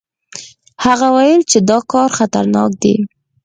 هغه ویل چې دا کار خطرناک دی.